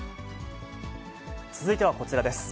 続いてはこちらです。